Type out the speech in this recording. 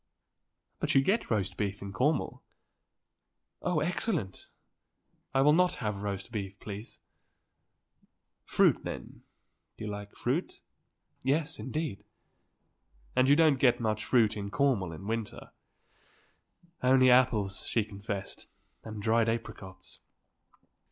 "But you get roast beef in Cornwall." "Oh, excellent. I will not have roast beef, please." "Fruit, then? You like fruit?" "Yes; indeed." "And you don't get much fruit in Cornwall in winter." "Only apples," she confessed, "and dried apricots."